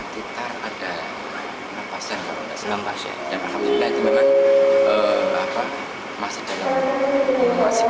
dan tidak perlu sampai jajatan